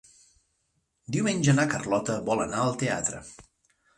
Diumenge na Carlota vol anar al teatre.